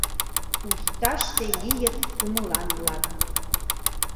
Усташте лийыт кумылан-влак